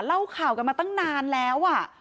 เล่าข่าวกันมาตั้งนานแล้ว